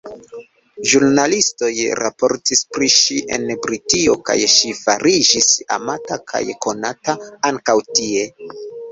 Ĵurnalistoj raportis pri ŝi en Britio kaj ŝi fariĝis amata kaj konata ankaŭ tie.